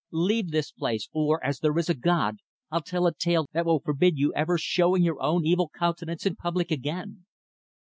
Leave this place, or, as there is a God, I'll tell a tale that will forbid you ever showing your own evil countenance in public, again."